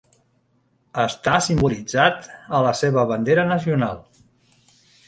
Està simbolitzat a la seva bandera nacional.